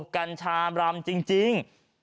กัญชามรำจริง